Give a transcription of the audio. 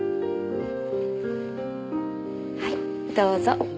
はいどうぞ。